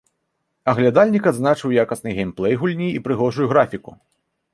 Аглядальнік адзначыў якасны геймплэй гульні і прыгожую графіку.